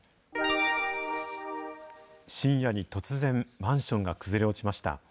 深夜に突然、マンションが崩れ落ちました。